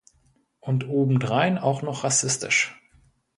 Und obendrein auch noch rassistisch!